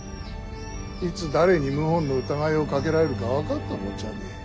いつ誰に謀反の疑いをかけられるか分かったもんじゃねえ。